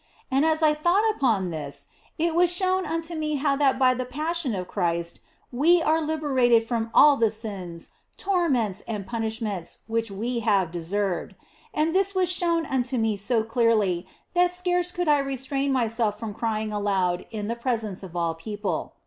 And as I thought upon this, it was shown unto me how that by the Passion of Christ we are liberated from all the sins, torments, and punishments which we have deserved ; and this was shown unto me so clearly that scarce could I restrain myself from crying aloud in the presence of all people.